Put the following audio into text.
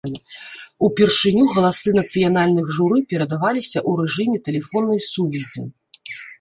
Упершыню галасы нацыянальных журы перадаваліся ў рэжыме тэлефоннай сувязі.